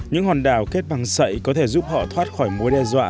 những hòn đảo kết bằng sậy có thể giúp họ thoát khỏi mối đe dọa